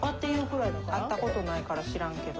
会った事ないから知らんけど。